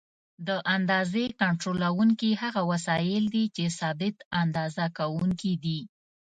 د اندازې کنټرولوونکي هغه وسایل دي چې ثابت اندازه کوونکي دي.